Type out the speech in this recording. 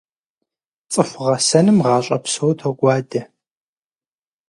ЦӀыху гъэсэным гъащӀэ псо токӀуадэ.